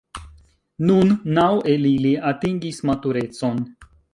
Nun naŭ el ili atingis maturecon.